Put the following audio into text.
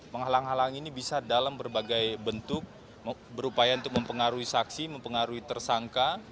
menghalang halangi ini bisa dalam berbagai bentuk berupaya untuk mempengaruhi saksi mempengaruhi tersangka